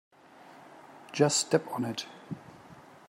Just step on it.